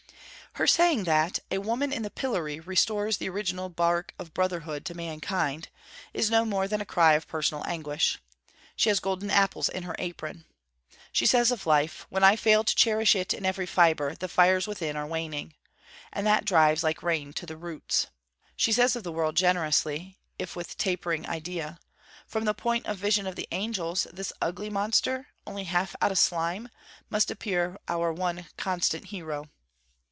Her saying that 'A woman in the pillory restores the original bark of brotherhood to mankind,' is no more than a cry of personal anguish. She has golden apples in her apron. She says of life: 'When I fail to cherish it in every fibre the fires within are waning,' and that drives like rain to the roots. She says of the world, generously, if with tapering idea: 'From the point of vision of the angels, this ugly monster, only half out of slime, must appear our one constant hero.'